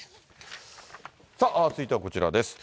続いてはこちらです。